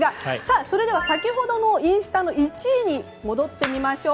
それでは先ほどのインスタの１位に戻ってみましょう。